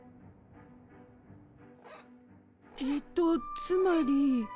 えとつまり。